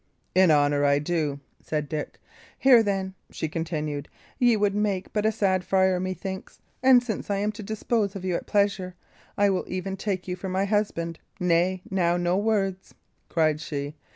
"In honour, I do," said Dick. "Hear, then," she continued; "Ye would make but a sad friar, methinks; and since I am to dispose of you at pleasure, I will even take you for my husband. Nay, now, no words!" cried she.